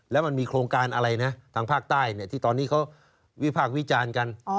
แล้วมันมีโครงการอะไรนะทางภาคใต้ที่ตอนนี้เขาวิพากษ์วิจารณ์กัน